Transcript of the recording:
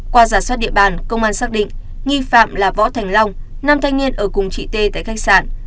qua giả soát địa bàn công an xác định nghi phạm là võ thành long năm thanh niên ở cùng chị t tại khách sạn